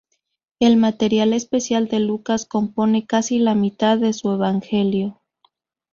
El material especial de Lucas compone casi la mitad de su evangelio.